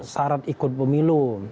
syarat ikut pemilu